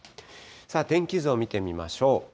天気図を見てみましょう。